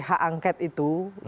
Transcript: hak angket itu